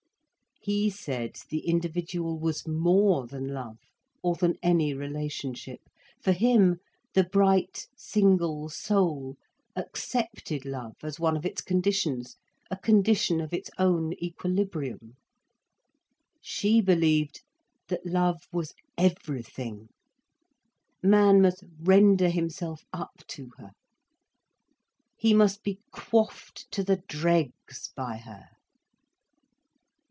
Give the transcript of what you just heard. He said the individual was more than love, or than any relationship. For him, the bright, single soul accepted love as one of its conditions, a condition of its own equilibrium. She believed that love was everything. Man must render himself up to her. He must be quaffed to the dregs by her.